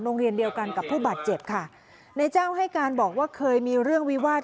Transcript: โรงเรียนเดียวกันกับผู้บาดเจ็บค่ะนายเจ้าให้การบอกว่าเคยมีเรื่องวิวาส